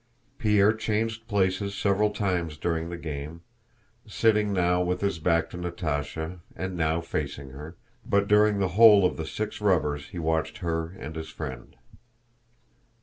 Pierre changed places several times during the game, sitting now with his back to Natásha and now facing her, but during the whole of the six rubbers he watched her and his friend.